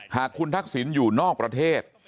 หากคุณทักษิณอยู่นอกประเทศ